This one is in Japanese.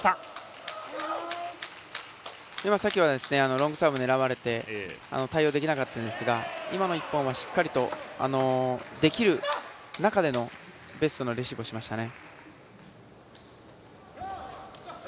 ロングサーブ狙われて対応できなかったんですが今のはしっかりと、できる中でのベストなレシーブをしましたね。